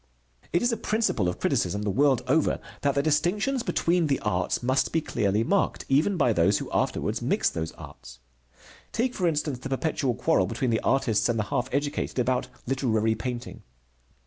It is a principle of criticism, the world over, that the distinctions between the arts must be clearly marked, even by those who afterwards mix those arts. Take, for instance, the perpetual quarrel between the artists and the half educated about literary painting.